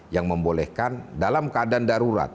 yang membolehkan dalam keadaan darurat